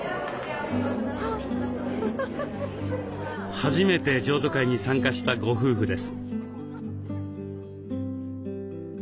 初めて譲渡会に参加したご夫婦です。